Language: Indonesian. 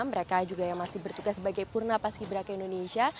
mereka juga yang masih bertugas sebagai purna paski beraka indonesia